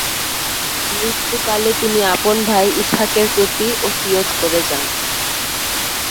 মৃত্যুকালে তিনি আপন ভাই ইসহাকের প্রতি ওসীয়ত করে যান।